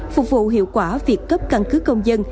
phục vụ hiệu quả việc cấp căn cứ công dân